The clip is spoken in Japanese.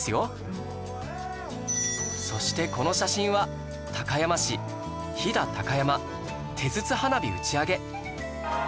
そしてこの写真は高山市飛騨高山手筒花火打ち上げ